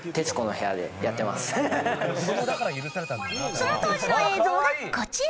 その当時の映像がこちら。